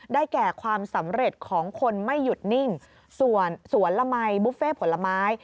แก่ความสำเร็จของคนไม่หยุดนิ่งส่วนสวนละมัยบุฟเฟ่ผลไม้